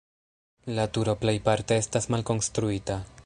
La turo plejparte estas malkonstruita.